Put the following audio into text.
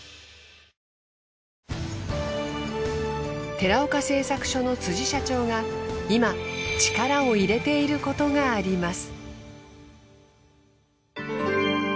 寺岡製作所の辻社長が今力を入れている事があります。